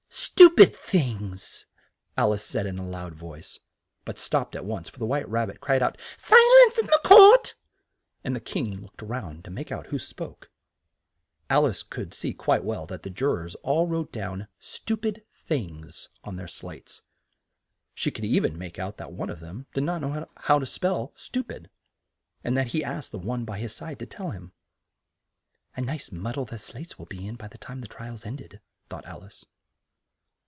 "Stu pid things!" Al ice said in a loud voice, but stopped at once, for the White Rab bit cried out, "Si lence in court!" and the King looked round to make out who spoke. Al ice could see quite well that the ju rors all wrote down "stu pid things!" on their slates, she could e ven make out that one of them didn't know how to spell "stu pid" and that he asked the one by his side to tell him, "A nice mud dle their slates will be in by the time the tri al's ended," thought Al ice.